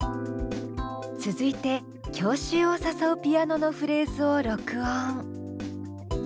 続いて郷愁を誘うピアノのフレーズを録音。